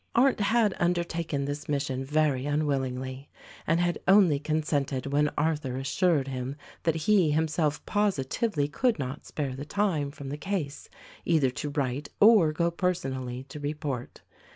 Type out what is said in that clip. Arndt had undertaken this mission very unwillingly, and had only consented when Arthur assured him that he himself positively could not spare the time from the case either to write or go personally to report.